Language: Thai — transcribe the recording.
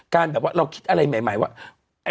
แบบว่าเราคิดอะไรใหม่ว่า